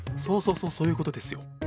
そうそうそうそういうことですよ。